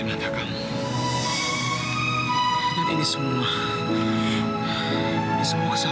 maaf aku harus pergi ke rumah sakit sekarang